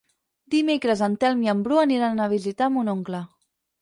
Dimecres en Telm i en Bru aniran a visitar mon oncle.